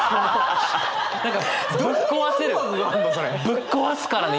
ぶっ壊すからね